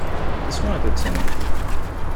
Describe it to me.